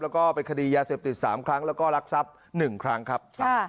แล้วก็รักทรัพย์๑ครั้งครับ